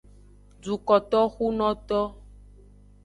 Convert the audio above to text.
Dukotoxunoto.